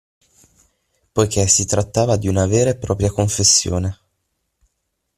Poiché si trattava di una vera e propria confessione.